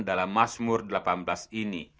dalam masmur delapan belas ini